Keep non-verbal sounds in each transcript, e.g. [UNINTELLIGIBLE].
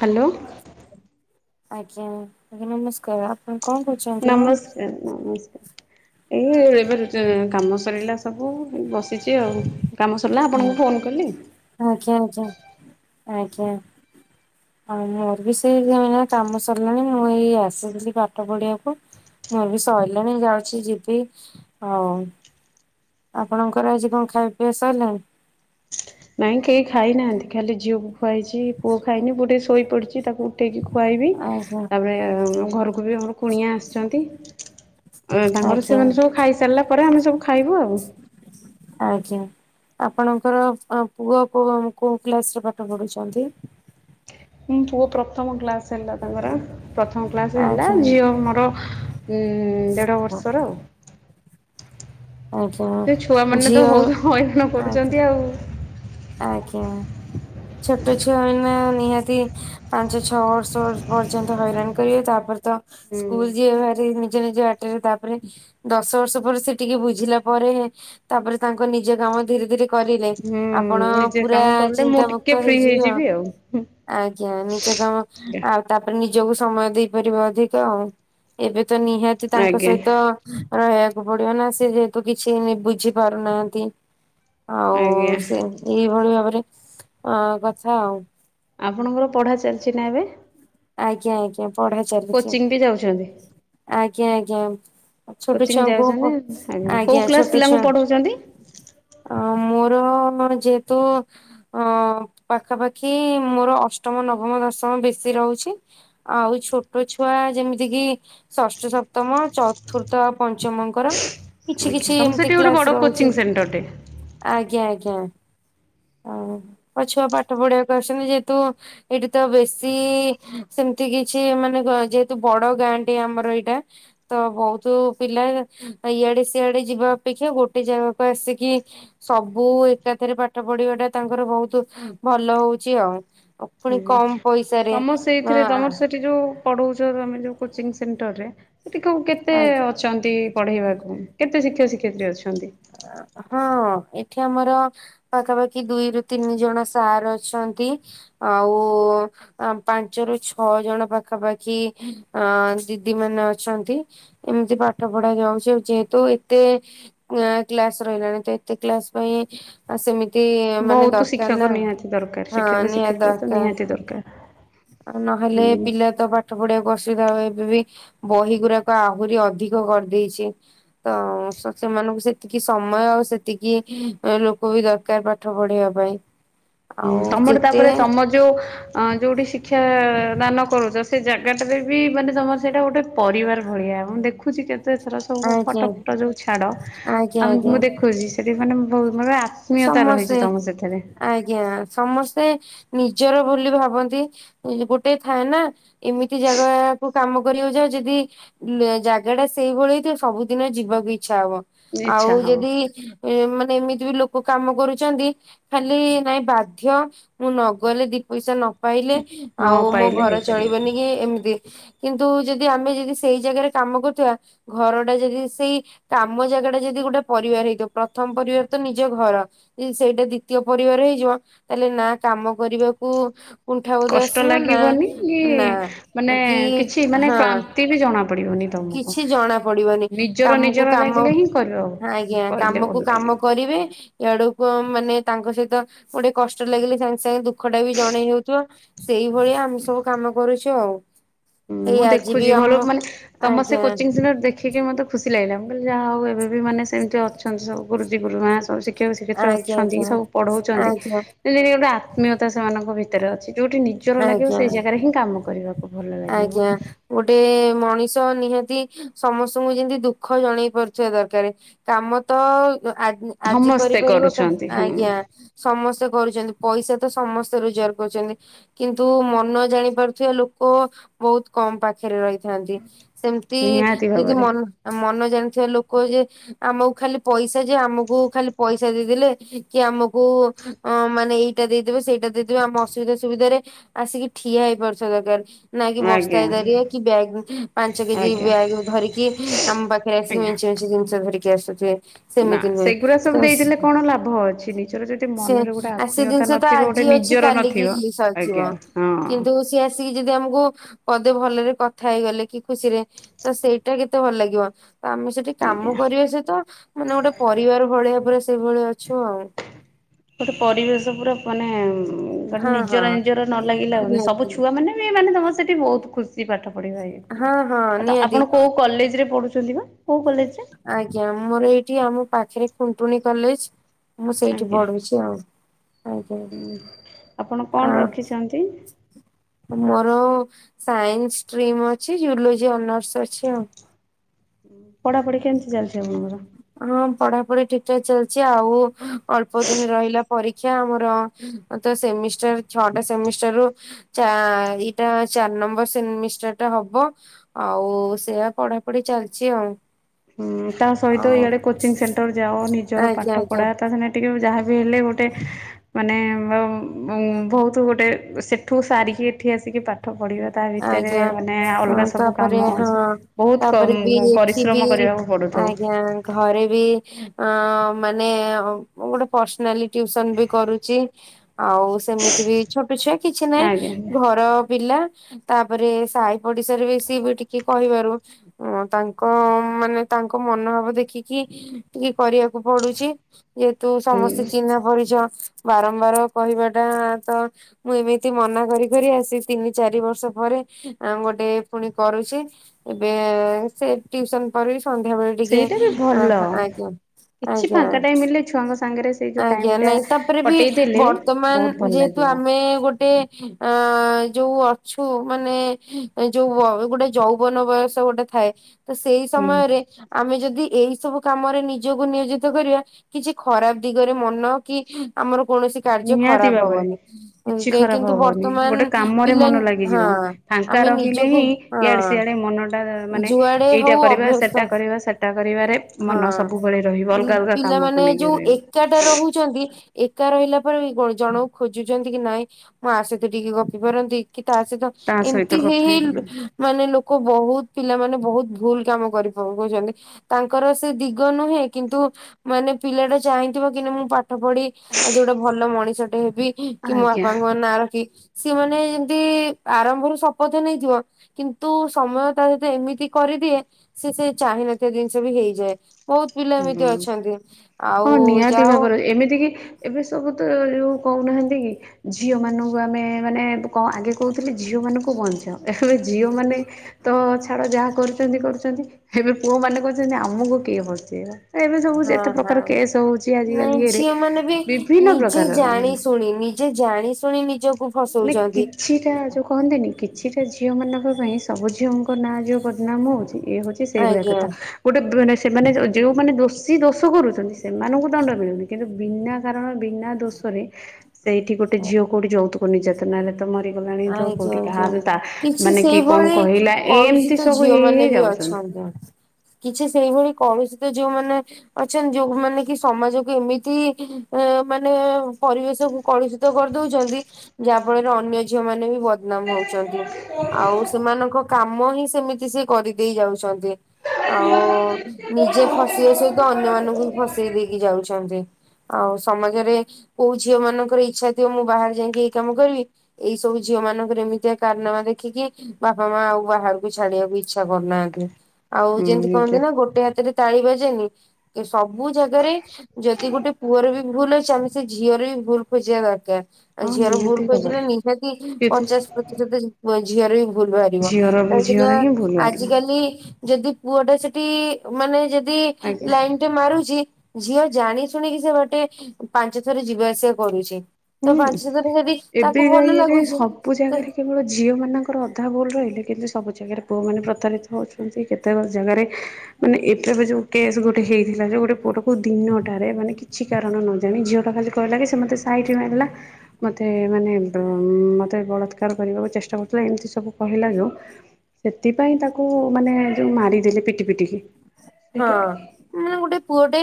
Hello. ଆଜ୍ଞା ଆଜ୍ଞା ନମସ୍କାର। କଣ କରୁଛନ୍ତି? ନମସ୍କାର ନମସ୍କାର। ଏଇ ଏବେ କାମ ସରିଲା ସବୁ ବସିଛି ଆଉ। କାମ ସରିଲା ହୁଁ। ଆପଣଙ୍କୁ ଫୋନ୍ କରିଲି। ଆଜ୍ଞା ଆଜ୍ଞା ଆଜ୍ଞା। ଆଉ ମୋର ବି ସେଇ କାମ ସରିଲାଣି ମୁଁ ଏଇ ଆସିିଥିଲି ପାଠ ପଢିବାକୁ। ମୋର ସରିଲଣି ଯାଉଛି ଯିବି ଆଉ ଆପଣଙ୍କର ଆଜି କଣ ଖାଆ ପିଆ ସାରିଲାଣି? ନାଇଁ କେହି ଖାଇନାହାନ୍ତି ଖାଲି ଝିଅକୁ ଖୁଆଇଛି ପୁଅ ଖାଇନି ଗୋଟେ ଶୋଇ ପଡିଛି ତାକୁ ଉଟେଇକି ଖୁଆଇବି ଆଜ୍ଞା ତାପରେ ଘରକୁ ବି ଆମର କୁଣିଆ ଆସିଛନ୍ତି। ତାଙ୍କର ଆଜ୍ଞା ସେମାନେ ସବୁ ଖାଇସାରିଲା ପରେ ଆମେ ସବୁ ଖାଇବୁ ଆଉ। ଆଜ୍ଞା। ଆପଣଙ୍କର ଅ ପୁଅ କୋଉ କୋଉ କ୍ଲାସ ରେ ପାଠ ପଢୁଛନ୍ତି? ହଁ ପୁଅ ପ୍ରଥମ ଗ୍ଲାସ ହେଲା ତାଙ୍କର ପ୍ରଥମ କ୍ଲାସ ହେଲା ଆଜ୍ଞା ଝିଅ ମୋର ଦେଢ଼ ବର୍ଷର ଆଉ। ସେ ଛୁଆ ଆଜ୍ଞା ମାନେ ତ ଝିଅ ବହୁତ ହଇରାଣ କରୁଛନ୍ତି ଆଜ୍ଞା। ଆଉ। ଆଜ୍ଞା ଛୋଟ ଛୁଆ ମାନେ ନିହାତି ପାଞ୍ଚ ଛଅ ବର୍ଷ ପର୍ଯ୍ୟନ୍ତ ହଇରାଣ କରିବେ ତାପରେ ତ ସ୍କୁଲ ହୁଁ। ଯିବେ ଭାରି ନିଜ ନିଜ ବାଟରେ ତାପରେ ଦଶ ବର୍ଷ ପରେ ସେ ଟିକେ ବୁଝିଲା ପରେ ତାପରେ ତାଙ୍କ ନିଜ କାମ ଧୀରେ ଧୀରେ କରିଲେ ହୁଁ ଆପଣ ନିଜେ ପୁରା କାମ କଲେ ମୁଁ ଟିକେ ଚିନ୍ତାମୁକ୍ତ ଫ୍ରି ହେଇଯିବେ ଆଉ। ହେଇଯିବି ଆଜ୍ଞା ନିଜେ କଣ ଆଉ ତାପରେ ନିଜକୁ ସମୟ ଦେଇପାରିବ ଅଧିକ ଆଉ ଏବେ ତ ନିହାତି ତାଙ୍କ ଆଜ୍ଞା ସହିତ ରହିବାକୁ ପଡିବ ନା ସେ ଯେହେତୁ କିଛି ବୁଝି ପାରୁନାହାନ୍ତି। ଆଜ୍ଞା। ଏଇଭଳିଆ ଭାବରେ ଅ କଥା ଆଉ। ଆପଣଙ୍କର ପଢ଼ା ଚାଲିଛି ନା ଏବେ? ଆଜ୍ଞା ଆଜ୍ଞା ପଢା ଚାଲିଛି। ନିଜେ ଯାଉଛନ୍ତି। ଆଜ୍ଞା ଆଜ୍ଞା। ଛୋଟ କୋଚିଂ ଛୁଆଙ୍କୁ ଯାଉଛନ୍ତି ପୁ କୋଉ ଆଜ୍ଞା କ୍ଲାସ ଛୋଟ ପିଲାଙ୍କୁ ଛୁଆ ପଢଉଛନ୍ତି? ଅ ମୋର ମାନେ ଯେହେତୁ ଆଁ ପାଖାପାଖି ମୋର ଅଷ୍ଟମ ନବମ ଦଶମ ବେଶୀ ରହୁଛି। ଆଉ ଛୋଟ ଛୁଆ ଯେମିତି କିି ଷଷ୍ଠ ସପ୍ତମ ଚତୁର୍ଥ ପଞ୍ଚମଙ୍କର କିଛି ଆଜ୍ଞା କିଛି ତମର ଏମତି ସେଠି ଗୋଟେ ବଡ କ୍ଲାସ କୋଚିଂ ରହୁଛି। ସେଣ୍ଟରଟେ ଆଜ୍ଞା ଆଜ୍ଞା ଆଉ ହୁଁ। ମୋ ଛୁଆ ପାଠ ପଢିବାକୁ ଆସୁଛନ୍ତି ଯେହେତୁ ଏଇଠି ତ ବେଶୀ ସେମିତି କିଛି ମାନେ ଯେହେତୁ ବଡ ଗାଁ ଏ ଆମର ଏଇଟା। ତ ବହୁତ ପିଲା ଇଆଡେ ସିଆଡେ ଯିବା ଅପେକ୍ଷା ଗୋଟେ ଜାଗାକୁ ଆସିକି ସବୁ ଏକାଥରେ ପାଠ ପଢିବା ଟା ତାଙ୍କର ବହୁତ ଭଲ ହଉଛି ଆଉ। ହୁଁ ପୁଣି କମ ପଇସାରେ ମାଆ ଯଉ ପଢଉଛ ତମେ ଯଉ କୋଚିଂସେଣ୍ଟରରେ ସେଠି କେତେ ଆଁ ଅଛନ୍ତି ପଢେଇବାକୁ କେତେ ଶିକ୍ଷକ ଶିକ୍ଷୟତ୍ରୀ ଅଛନ୍ତି? ହଁ। ହଁ ଏଠି ଆମର ପାଖାପାଖି ଦୁଇରୁ ତିନି ଜଣ ସାର୍ ଅଛନ୍ତି। ଆଉ ଆ ପାଞ୍ଚରୁ ଛଅ ଜଣ ପାଖାପାଖି ଅ ଦିଦି ମାନେ ଅଛନ୍ତି। ଏମିତି ପାଠ ପଢା ଯାଉଛି ଯେହେତୁ ଏତେ ନା କ୍ଲାସ୍ ରହିଲାଣି ତ ଏତେ କ୍ଲାସ୍ ପାଇଁ ଆ ସେମିତି ମାନେ ବହୁତ ଦରକାର ଶିକ୍ଷକ ନା ନିହାତି ଦରକାର ଶିକ୍ଷକ ହଁ ନିହାତି ଶିକ୍ଷୟତ୍ରୀ ତ ଦରକାର। ନିହାତି ଦରକାର ଆଉ ନହେଲେ ହୁଁ। ପିଲା ତ ପାଠ ପଢିବାକୁଅସୁବିଧା ହଉ ଏବେ ବି ବହି ଗୁଡାକ ଆହୁରି ଅଧିକ କରିଦେଇଛି ତ ସେମାନଙ୍କୁ ସେତିକି ସମୟ ଆଉ ସେତିକି ଲୋକ ବି ଦରକାର ପାଠ ପଢେଇିବା ପାଇଁ। ହୁଁ ଆଉ ତମର ଯେତେ ତାପରେ ତମ ଯୋଉ ଆଁ ଯେଉଁଠି ଶିକ୍ଷା ଦାନ କରୁଛ ସେ ଜାଗାଟାରେ ବି ମାନେ ତୁମର ସେଇଟା ଗୋଟେ ପରିବାର ଭଳିଆ ମୁଁ ଦେଖ ଦେଖୁଛି କେତେ ଥର ସବୁ ଆଜ୍ଞା ଫଟୋ ଫୁଟ ଯୋଉ ଛାଡ ଆଜ୍ଞା ଆଉ ଆଜ୍ଞା ମୁଁ ଦେଖୁଛି ସେଠି ମାନେ ବହୁ ମେ ଆତ୍ମୀୟତା ସମସ୍ତେ ରହିଛି ତମ ସେଥିରେ। ଆଜ୍ଞା ସମସ୍ତେ ନିଜର ବୋଲି ଭାବନ୍ତି। ଗୋଟେ ଥାଏ ନା ଏମିତି ଜାଗାକୁ କାମ କରିଆକୁ ଯା ଯଦି ଲେ ଜାଗା ଟା ସେଇଭଳି ହେଇଥିବ ସବୁଦିନ ଯିବାକୁ ଇଛା ହବ। ଆଉ ଇଚ୍ଛା ହବ ଯଦି ମାନେ ଏମିତି ବି ଲୋକ କଉ କାମ କରୁଛନ୍ତି ଖାଲି ନାଇଁ ବାଧ୍ୟ ମୁଁ ନ ଗଲେ ଦି ପଇସା ନ ପାଇଲେ ନ ଆଉ ମୋ ପାଇଲେ ଘର ହେଇପାରିବନି ଚଳିବନି କି ଏମତି କିନ୍ତୁ ଯଦି ଆମେ ଯଦି ସେଇ ଜାଗାରେ କାମ କରୁଥିବା ଘରଟା ଯଦି ସେଇ କାମ ଜାଗା ଟା ଯଦି ଗୋଟେ ପରିବାର ହେଇଥିବ ପ୍ରଥମ ପରିବାର ତ ନି ନିଜ ଘର ଯଦି ସେଇଟା ଦ୍ଵିତୀୟ ପରିବାର ହେଇଯିବ ତାହେଲେ ନା କାମ କରିବାକୁ କୁଣ୍ଠା ବଧ କଷ୍ଟ ଆସିବ ନା ଲାଗିବନି କି ନା ମାନେ କି କିଛି ମାନେ ହଁ। କ୍ଳାନ୍ତି ବି ଜଣା ପଡିବନି ତମକୁ କିଛି ଜଣା ପଡିବନି ନିଜର କାମକୁ ନିଜର କାମ ଲାଗିଲେ ହିଁ କରିବ ହ ଆଜ୍ଞା କରିଲେ ଭଲ କାମକୁ କାମ ଲାଗିବ କରିବେ ଇଆଡକୁ ମାନେ ତାଙ୍କ ସହିତ ଗୋଟେ କଷ୍ଟ ଲାଗିଲେ ସାଙ୍ଗେ ସାଙ୍ଗେ ଦୁଃଖ ଟା ବି ଜଣେଇ ହଉଥିବ। ସେଇଭଳିଆ ଆମେ ସବୁ କାମ କରୁଚ ଆଉ। ହୁଁ ଏଇ ମୁଁ ଆଜି ବି ଦେଖୁଛି ଆମ ଭଲ ମାନେ ତମ ସେ ଆଜ୍ଞା କୋଚିଂ ସେଣ୍ଟର ଦେଖିକି ମତେ ଖୁସି ଲାଗିଲା ମୁଁ କହିଲି ଯାହା ହଉ ଏବେ ବି ମାନେ ସେମିତି ଅଛନ୍ତି ଗୁରୁଜୀ ଗୁରୁମା ସବୁ ଶି ଶିକ୍ଷକ ଶିକ୍ଷୟତ୍ରୀ ଆଜ୍ଞା ଅଛନ୍ତି ଆଜ୍ଞା ସବୁ ପଢଉଚନ୍ତି। ଆଜ୍ଞା ଯେତି ଗୋଟେ ଆତ୍ମୀୟତା ସେମାନଙ୍କ ଭିତରେ ଅଛି, ଯୋଉଠି ନିଜର ଲାଗିବ ଆଜ୍ଞା ସେଇ ଜାଗାରେ ହିଁ କାମ କରିବାକୁ ଭଲ ଲାଗେ। ଆଜ୍ଞା ଗୋଟେ ମଣିଷ ନିହାତି ସମସ୍ତଙ୍କୁ ଯେମତି ଦୁଃଖ ଜଣେଇ ପାରୁଥିବା ଦରକାର କାମ ତ ଆ ଆଜି ସମସ୍ତେ କରିପାରିବ କା କରୁଛନ୍ତି ହୁଁ ଆଜ୍ଞା। ସମସ୍ତେ କରୁଚନ୍ତି ପଇସା ତ ସମସ୍ତେ ରୋଜଗାର କରୁଚନ୍ତି। କିନ୍ତୁ ମନ ଜାଣି ପାରୁଥିବା ଲୋ ଲୋକ ବହୁତ କମ୍ ପାଖରେ ରହିଥାନ୍ତି ସେମିତି ନିହାତି ଯଦି ଭାବରେ। ମନ ଆ ମନ ଜାଣିଥିବା ଲୋକ ଯେ ଆମକୁ ଖାଲି ପଇସା ଯେ ଆମକୁ ଖାଲି ପଇସା ଦେଇଦେଲେ କି ଆମକୁ ଅଁ ମାନେ ଏଇଟା ଦେଇଦେବେ ସେଇଟା ଦେଇଦେବେ ଆମ ଅସୁବିଧା ସୁବିଧାରେ ଆସିକି ଠିଆ ହେଇପାରୁଥିବା ଦରକାର। ନାଇଁ କି ବସ୍ତା ଆଜ୍ଞା ହେ ଦାରିଆ କି ବ୍ୟାଗ୍ ପାଞ୍ଚ କେଜି ଆଜ୍ଞା ବ୍ୟାଗ ଧରିକି ଆମ ବା ଫେରେ ସେ ଆଜ୍ଞା। ମେଞ୍ଚେ ମେଞ୍ଚେ ଜିନିଷ ଧରିକି ଆସୁଥିବେ। ନା ସେମିତି ନୁହେଁ ସେଗୁଡା ସବୁ ତ ଦେଇଦେଲେ କଣ ଲାଭ ଅଛି ନିଜର ଯଦି ସେ ମନରେ ଗୋଟେ ଆ ସେ ଆତ୍ମୀୟତା ନ ଜିନିଷ ତ ନଥିବ ଆଜି ଗୋଟେ ଅଛି ନିଜର କାଲିକି ନଥିବ ସରିଯିବ। ଆଜ୍ଞା ହଁ। କିନ୍ତୁ ସିଏ ଆସିକି ଯଦି ଆମକୁ ପଦେ ଭଲରେ କଥା ହେଇଗଲେ କି ଖୁସିରେ ତ ସେଇଟା କେତେ ଭଲ ଲାଗିବ। ତ ଆମେ ସେଠି ଆଜ୍ଞା। କରିବା ସହିତ ମାନେ ଗୋଟେ ପରିବାର ଭଳିଆ ପରେ ସେଇଭଳି ଅଛୁ ଆଉ। ଗୋଟେ ପରିବେଶ ପୁରା ବନେ। ମାନେ ହଁ ହଁ ନିଜର ନିଜର ନ ଲାଗିଲା ହଉନି ସବୁ ନିହାତି ଛୁଆମାନେ ବି ମାନେ ତମେ ସେଠି ବହୁତ ଖୁସି ପାଠ ପଢେଇବା ଏ ହଁ ହଁ ଏମ୍ତୀ ନିହାତି ଆପଣ କୋଉ କଲେଜରେ ପଢୁଛନ୍ତି ବା କୋଉ କଲେଜରେ? ଆଜ୍ଞା ମୋର ଏଇଠି ଆମ ପାଖରେ ଖୁଣ୍ଟୁଣି କଲେଜ୍। ମୁଁ ସେଇଠି ପଢୁଛି ଆଉ। ଆଜ୍ଞା ହଁ, ଆପଣ ଆ କଣ ରଖିଛନ୍ତି? ମୋର ସାଇନ୍ସ ଷ୍ଟ୍ରିମ ଅଛି ଜୁଲୋଜି ଅନର୍ସ ଅଛି ଆଉ। ପଢାପଢି କେମିତି ଚାଲିଛି ଆପଣଙ୍କର। ହ, ପଢାପଢି ଠିକ ଠାକ୍ ଚାଲିଚି ଆଉ ଅଳ୍ପ ଦିନ ରହିଲା। ପରୀକ୍ଷା ଆମର ତ ସେମିଷ୍ଟାର ଛଅଟା ସେମିଷ୍ଟାର ରୁ ଚାରିଟା ଚାରି ନମ୍ବର ସେମିଷ୍ଟାର ଟା ହବ। ଆଉ ସେୟା ପଢାପଢି ଚାଲିଚି ଆଉ। ହୁଁ, ତା ସହିତ ଆଉ ଏଇଆଡ଼େ କୋଚିଂ ସେଣ୍ଟର ଯାଅ ନିଜର ଆଜ୍ଞା ପାଠ ଆଜ୍ଞା ପଢ଼ା ତା ସ ଟିକେ ଯାହାବି ହେଲେ ଗୋଟେ ମାନେ ଉ ବହୁତ ଗୋଟେ ସେଠୁ ସାରିକି ଏଠି ଆସିକି ପାଠ ପଢିବା ତା ଭିତରେ ଆଜ୍ଞା ମାନେ ଅଲଗା ହଁ ସବୁ କାମ ତାପରେ ହଁ ଅଛି ବହୁତ୍ ତାପରେ କମ୍ ବି ଏଠି ପରିଶ୍ରମ ବି କରିବାକୁ ଆଚ୍ଛା ହଉ। ଆଜ୍ଞା ଘରେ ବି ମାନେ ଗୋଟେ ପର୍ସନାଲି ଟିୟୁସନ ବି କରୁଚି। ଆଉ ସେମିତି ବି ଛୋଟ ଛୁଆ କିଛି ନାହିଁ ଆଜ୍ଞା ଆଜ୍ଞା ଘର ପିଲା। ତାପରେ ସାହି ପଡିଶାରେ ବେଶୀ ବି ଏବେ ଟିକେ କହିବାରୁ ହ ତାଙ୍କ ମାନେ ତାଙ୍କ ମନଭାବ ଦେଖିକି ଟିକେ କରିବାକୁ ପଡୁଛି। ଯେହେତୁ ହୁଁ। ସମସ୍ତେ ଚିହ୍ନା ପରିଚୟ। ବାରମ୍ବାର କହିବା ଟା ତ ମୁଁ ଏମିତି ମନା କରି କରି ଆସି ତିନି ଚାରି ବର୍ଷ ପରେ ମୁଁ ଗୋଟେ ପୁଣି କରୁଛି। ଏବେ ସେ ଟିୟୁସନ ପରେ ବି ସନ୍ଧ୍ୟା ବେଳେ ଟିକେ ସେଇଟା ବି ଭଲ ଆଜ୍ଞା। କିଛି ଆଜ୍ଞା ଫାଙ୍କା ଟାଇମ ମିଳିଲେ ଛୁଆଙ୍କ ସାଙ୍ଗରେ ସେଇ ଯୋଉ ଟାଇମ ଆଜ୍ଞା ଟା ନାଇଁ ତାପରେ ବି କଟେଇ ଦେଲେ ବହୁତ ବର୍ତ୍ତମାନ ଭଲ ଯେ ହେତୁ ଲାଗିବ ଆମେ ଗୋଟେ ଅ ଯୋଉ ଅଛୁ। କୁ ମାନେ ଯୋଉ ଗୋଟେ ଯୌବନ ବୟସ ଗୋଟେ ଥାଏ। ସେଇ ହୁଁ। ସମୟରେ ଆମେ ଯଦି ଏଇ ସବୁ କାମରେ ନିଜକୁ ନିୟୋଜିତ କରିବା। କିଛି ଖରାପ ଦିଗରେ ମନ କି ଆମର କୌଣସି କାର୍ଯ୍ୟ ନିହାତି ଖରାପ ଭାବରେ ହବନି। କିଛି କି- କିନ୍ତୁ ଖରାପ ହବନି ଗୋଟେ ବର୍ତ୍ତମାନ କାମରେ ପିଲା ମନ ଲାଗି ହଁ ଯିବ ଫାଙ୍କା ଆମେ ରହିଲେ ନିଜକୁ ହିଁ ହଁ ଇଆଡେ ସିଆଡେ ମନ ଟା ମାନେ ଯୁଆଡେ ହଉ ଏଇଟା କରିବା ଅଭ୍ୟସ୍ତ ସେଟା କରିବା ସେ ଟା କରିବାରେ ମନ ହଁ। ସବୁବେଳେ ରହିବ ଅଲଗା ଅଲଗା କାମକୁ ନେଇକି ରହିବ। ଏକା ଟା ରହୁଚନ୍ତି ଏକା ରହିଲା ପରେ ଜଣକୁ ଖୋଜୁଚନ୍ତି କି ନାଇଁ ଆ ସହିତ ଟିକେ ଗପି ପାରନ୍ତି କି ତା ସହିତ ତା ସହିତ ଏମିତି ହେଇ କଥା ହେଇ ହେଇଗଲାଣି ମାନେ ଲୋକ ବହୁତ ପିଲାମାନେ ବହୁତ ଭୁଲ କାମ କରିପକୋଉଚନ୍ତି ତାଙ୍କର ସେ ଦିଗ ନୁହେଁ କିନ୍ତୁ ମାନେ ପିଲା ଟା ଚାହିଁଥିବ କିନା ମୁଁ ପା ପାଠ ପଢି ଆଜି ଗୋଟେ ଭଲ ମଣିଷଟେ ହେବି କି ମୋ ଆଜ୍ଞା। ବାପାଙ୍କ ନାଁ ରଖି ସିଏ ମାନେ ଯେମିତି ଆରମ୍ଭରୁ ଶପଥ ନେଇଥିବ। କିନ୍ତୁ ସମୟ ତା ସହିତ ଏମିତି କରିଦିଏ ସେ ସେ ଚାହିଁନଥିବା ଜିନିଷ ବି ହେଇଯାଏ। ବହୁତ ପିଲା ଏମିତି ହୁଁ। ଅଛନ୍ତି ହଁ ଆଉ ନିହାତି ଯାହା ହଉ ଭାବରେ ଏମିତି କିି ଏବେ ସବୁ ତ ଯେଉଁ କହୁନାହାନ୍ତି କି ଝିଅ ମାନଙ୍କୁ ଆମେ ମାନେ କଣ ଆଗେ କହୁଥିଲେ ଝିଅ ମାନଙ୍କୁ ବଞ୍ଚାଅ ଏବେ ଝିଅ ମାନେ ତ ଛାଡ ଯାହା କରୁଚନ୍ତି କରୁଚନ୍ତି ଏବେ ପୁଅ ମାନେ କହୁଚନ୍ତି ଆମକୁ କିଏ ପୋଷିବ ଏବେ ସବୁ ହଁ ଯେତେ ହଁ ପ୍ରକାର କେସ୍ ହଉଚି ନାଇଁ ଆଜିକାଲି ଇଏରେ ଝିଅ ମାନେ ବି ବିଭିନ୍ନ ପ୍ରକାର ର। ସେ ଜାଣି ଶୁଣି ନିଜକୁ ଫସଉଚନ୍ତି। କୁହନ୍ତିନି କିଛିଟା ଝିଅମାନଙ୍କ ପାଇଁ ସବୁ ଝିଅଙ୍କ ନାଁ ଯଉଁ ବଦନାମ ହଉଚି ଇଏ ହଉଛି ସେଇ ଭଳିଆ ଆଜ୍ଞା କଥା। ଗୋଟେ ଦୋ ସେମାନେ ଯେଉଁମାନେ ଦୋଷୀ ଦୋଷ କରୁଚନ୍ତି ସେମାନଙ୍କୁ ଦଣ୍ଡ ମିଳୁନି କିନ୍ତୁ ବିନା କାରଣ ବିନା ଦୋଷ ରେ ସେଇଠି ଗୋଟେ ଝିଅ କୁ ଯୌତୁକ ନିର୍ଯାତନାରେ ତ ମରିଗଲାଣି ତ କାଇ କୋଉଠି କହୁଛ କାହାର ତା କିଛି ମାନେ କି କଣ ସେଇଭଳି କହିଲା ଏମିତି କଳୁଷିତ ସବୁ ଝିଅ ହେଇ ମାନେ ହେଇ ବି ଯାଉଛନ୍ତି। ଅଛନ୍ତି କିଛି ସେଇଭଳି କଳୁଷିତ ଯୋଉମାନେ ଅଛନ୍ତି ଯୋଉ ମାନେ କି ସମାଜକୁ ଏମିତି ମାନେ ପରିବେଶକୁ କଳୁଷିତ କରିଦଉଚନ୍ତି। ଯାହା ଫଳରେ ଅନ୍ୟ ଝିଅ ମାନେ ବି ବଦନାମ ହଉଚନ୍ତି ଆଉ ସେମାନଙ୍କ- କାମ ହିଁ ସେମିତି ସେ କରିଦେଇ ଯାଉଛନ୍ତି। ଆଉ ନିଜେ ଫସିବେ ସହିତ ଅନ୍ୟ ମାନଙ୍କୁ ଫସେଇ ଦେଇକି ଯାଉଛନ୍ତି। ଆଉ ସମାଜରେ କୋଉ ଝିଅ ମାନଙ୍କର ଇଚ୍ଛା ଥିବ ମୁଁ ବାହାରେ ଯାଇକି ଏଇ କାମ କରିବି ଏଇ ସବୁ ଝିଅ ମାନଙ୍କର ଏମିତିଆ କାରାନାମା ଦେଖିକି ବାପା ମା ଆଉ ବାହାରକୁ ଛାଡିବାକୁ ଇଚ୍ଛା କରୁନାହାନ୍ତି। ଆଉ ହୁଁ ଯେମିତି ନିଜ କହନ୍ତି ନା ଗୋଟେ ହାତରେ ତାଳିି ବାଜେନି। ସବୁ ଜାଗାରେ ଯଦି ଗୋଟେ ପୁଅର ବି ଭୁଲ୍ ଅଛି ଆମେ ସେ ଝିଅର ବି ଭୁଲ ଖୋଜିବା ଦରକାର। ଆଉ ହଁ ଝିଅର ଭୁଲ୍ ନିହାତି ଖୋଜିଲେ ଭାବରେ ନିହାତି କିନ୍ତୁ ପଚାଶ ଝିଅ ର ବି ଭୁଲ ବାହାରିବ ଝିଅର ଝିଅର କାହିଁକିନା ହିଁ ଭୁଲ ଆଜି ବାହାରିବ କାଲି ଯଦି ପୁଅଟା ସେଠି ମାନେ ଯଦି ଆଜ୍ଞା ଲାଇନ ଗୋଟେ ମାରୁଛି ଝିଅ ଜାଣି ଶୁଣିକି ସେବାଟେ ପାଞ୍ଚ ଥର ଯିବା ଆସିବା କରୁଛି। ତ ହୁଁ ପାଞ୍ଚ ଥର ଯଦି ତାକୁ ଏବେଗା ଭଲ ଇଏରେ ଲାଗୁଛି ସବୁ ତ ଜାଗାରେ କେବଳ ଝିଅ ମାନଙ୍କର ଅଧା ଭୁଲ ରହିଲେ କିନ୍ତୁ ସବୁ ଜାଗାରେ ପୁଅମାନେ ପ୍ରତାରିତ ହେଉଛନ୍ତି। କେତେକ ଜାଗାରେ ମାନେ ଏଥର ଯୋଉ କେସ୍ ଗୋଟେ ହେଇଥିଲା। ଯୋଉ ଗୋଟେ ପୁଅଟାକୁ ଦିନଟାରେ ମାନେ କିଛି କାରଣ ନ ଜାଣି ଝିଅ ଟା ଖାଲି କହିଲା କି ସେ ମତେ ସାଇଟ ମାରିଲା ମୋତେ ମାନେ ଉଁ ମୋତେ ବଳାତ୍କାର କରିବାକୁ ଚେଷ୍ଟା କରୁଥିଲା। ଏମିତି ସବୁ କହିଲା ଯୋଉ ସେଥିପାଇଁ ତାକୁ ମାନେ ଯୋଉ ମାରିଦେଲେ ପିଟି ପିଟିକି। ହଁ ସେଇଟା ମାନେ ଗୋଟେ ପୁଅଟେ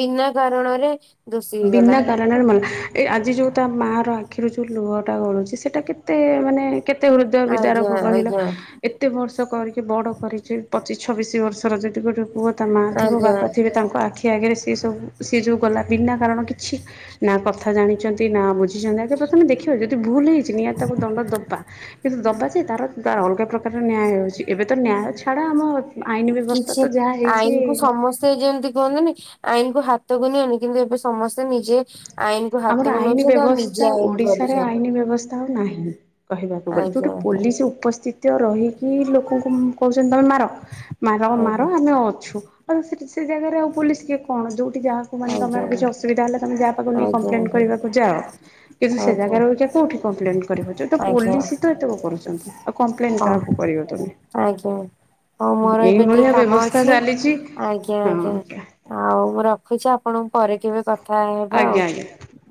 ବିନା କାରଣରେ ଦୋଷୀ ହେଇଗଲା। ବିନା କାରଣ [UNINTELLIGIBLE] ଆଜି ଯୋଉ ତା ମାଆର ଆଖିରୁ ଯୋଉ ଲୁହଟା ଗଳୁଛି। ସେଇଟା କେତେ ମାନେ କେତେ ହୃଦୟ ଆଜ୍ଞା ବିଦାରକୁ କହିଲ ଆଜ୍ଞା ଏତେ ବର୍ଷ କରିକି ବଡ କରିଛି। ପଚିଶ ଛବିଶ ବର୍ଷ ର ଯଦି ଗୋଟେ ପୁଅ ତା ମାଆ ଥିବ ଆଜ୍ଞା ବାପା ଥିବେ ତାଙ୍କ ଆଖି ଆଗରେ ସିଏ ସବୁ ସିଏ ଯୋଉ ଗଲା ବିନା କାରଣ କିଛି ନା କଥା ଜାଣିଛନ୍ତି ନାଁ ବୁଝିଛନ୍ତି ଆଗେ ପ୍ରଥମେ ଦେଖିବା ଯଦି ଭୁଲ ହେଇଛି ନିଆ ତାକୁ ଦଣ୍ଡ ଦବା। କିନ୍ତୁ ଦବା ଯେ ତାର ତ ଅଲଗା ପ୍ରକାର ନ୍ୟାୟ ହେଉଛି ଏବେ ତ ନ୍ୟାୟ ଛାଡ଼ ଆମ ଆଇନ ବ୍ୟବସ୍ଥା ତ ଯାହା ହେଇଛି। ସେ ଯେମିତି କୁହନ୍ତିନି ଆଇନକୁୁ ହାତକୁ ନିଅନି କିନ୍ତୁ ଏବେ ସମସ୍ତେ ନିଜେ ଆଇନକୁ ଆମର ହାତକୁ ଆଇନ ନଉଛନ୍ତି ଆଉ ନିଜେ ବ୍ୟବସ୍ଥା ଆଇନ ଓଡିଶାରେ କରୁଛନ୍ତି। ଆଇନ ବ୍ୟବସ୍ଥା ତା ଆଉ ନାହିଁ କହିବାକୁ ଗଲେ ଆଜ୍ଞା ଯୋଉଟେ ଆଜ୍ଞା ପୋଲିସ ଉପସ୍ଥିତ ତ ରହିକି ଲୋକଙ୍କୁ କହୁଛନ୍ତି ତମେ ମାର ମାର ମାର ଆମେ ଅଛୁ। ଆଉ ସେ ସେ ଜାଗାରେ ଆଉ ପୋଲିସ କିଏ କଣ ଯୋଉଠି ଯାହା ମେ ତମର ଆଜ୍ଞା କିଛି ଅସୁବିଧା ହେଲା ତମେ ଯାହା ପାକୁନେଇ ଆଜ୍ଞା କମ୍ପ୍ଲେନ୍ କରିବାକୁ ଯାଅ। କିନ୍ତୁ ଆଜ୍ଞା ସେ ଆଜ୍ଞା ଜାଗାରେ ରଉଚି କୋଉଠି କମ୍ପ୍ଲେନ କରିବ। ଯୋଉଠି ତ ଆଜ୍ଞା ପୋଲିସ ତ [UNINTELLIGIBLE] କରୁଛନ୍ତି ଆଉ କମ୍ପ୍ଲେନ କାହାକୁ ହଁ କରିବ ତୁମେ। ଆଜ୍ଞା ହଉ ମୋର ଏବେ ଟିକେ କାମ ବ୍ୟବସ୍ଥା ଅଛି ଚାଲିଛି। ଆଜ୍ଞା ଆଜ୍ଞା। ଆଉ ମୁଁ ରଖୁଛି ଆପଣଙ୍କୁ ପରେ କେବେ କଥା ହେବା ଆଉ। ଆଜ୍ଞା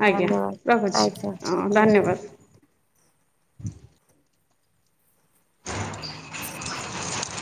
ଆଜ୍ଞା ଆଜ୍ଞା ରଖୁଛି ଧନ୍ୟବାଦ ଆଜ୍ଞା ହଁ ଆଜ୍ଞା। ଧନ୍ୟବାଦ।